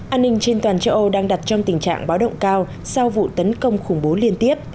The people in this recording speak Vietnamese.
an ninh trên toàn châu âu đang đặt trong tình trạng báo động cao sau vụ tấn công khủng bố liên tiếp